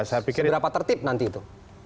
seberapa tertib nanti itu